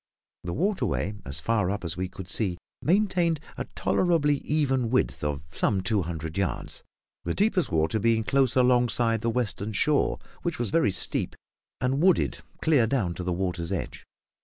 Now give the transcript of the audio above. The waterway, as far up as we could see, maintained a tolerably even width of some two hundred yards, the deepest water being close alongside the western shore, which was very steep, and wooded clear down to the water's edge.